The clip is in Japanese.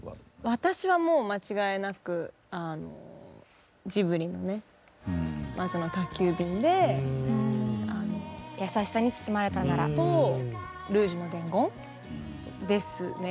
私はもう間違いなくあのジブリのね「魔女の宅急便」で「やさしさに包まれたなら」と「ルージュの伝言」ですね。